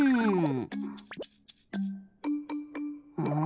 うん。